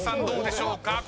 どうでしょうか？